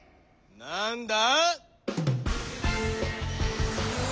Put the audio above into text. なんだ？